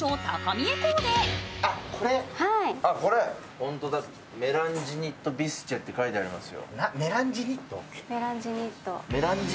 ホントだメランジニットビスチェって書いてありますよ。